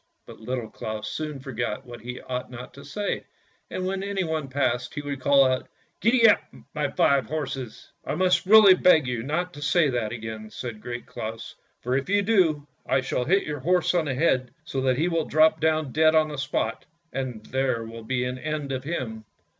But Little Claus soon forgot what he ought not to say, and when anyone passed, he would call out, " Gee up, my five horses." " I must really beg you not to say that again," said Great Claus, " for if you do, I shall hit your horse on the head, so that he will drop down dead on the spot, and there will be an end of him."